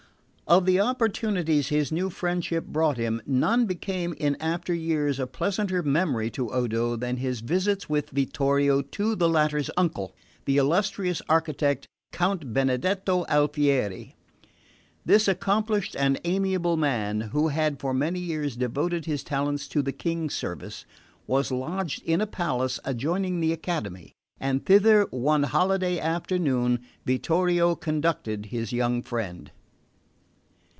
Of the opportunities his new friendship brought him, none became in after years a pleasanter memory to Odo than his visits with Vittorio to the latter's uncle, the illustrious architect Count Benedetto Alfieri. This accomplished and amiable man, who had for many years devoted his talents to the King's service, was lodged in a palace adjoining the Academy; and thither, one holiday afternoon, Vittorio conducted his young friend.